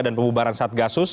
dan pembubaran saat gasus